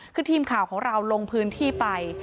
คือทีมข่าวของเราลงพื้นที่ไป